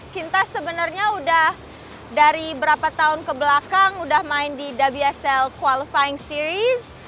cinta sebenarnya udah dari berapa tahun ke belakang udah main di wsl qualifying series